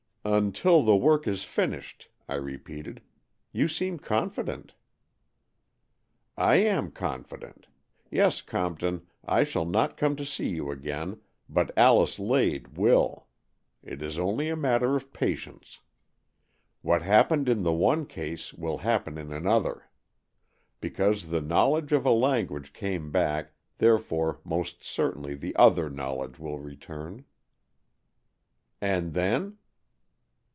"Until the work is finished," I repeated. "You seem confident." "I am confident. Yes, Compton, I shall not come to see you again, but Alice Lade will. It is only a matter of patience. What happened in the one case will happen in AN EXCHANGE OF SOULS 205 another. Because the knowledge of a lan guage came back, therefore most certainly the other knowledge will return." "And then?"